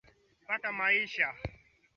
Nawaza yaliyomo kwenye kitabu hiki